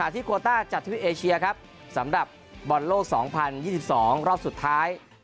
โควต้าจัดทวิปเอเชียครับสำหรับบอลโลก๒๐๒๒รอบสุดท้าย